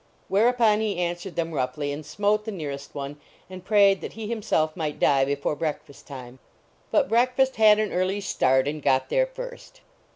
Whereupon he answered them roughly, and smote the nearest one, and prayed that he himself might die before breakfast time. But breakfast had an early start and got there first.